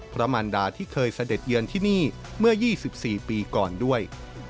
พระมันดาที่เคยเสด็จเยือนที่นี่เมื่อ๒๔ปีก่อนด้วย